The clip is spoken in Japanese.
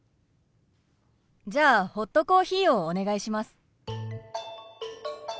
じゃあホットコーヒーをお願いします。